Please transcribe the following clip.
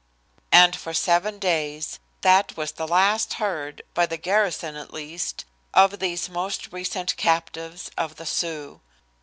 And for seven days that was the last heard, by the garrison, at least, of these most recent captives of the Sioux.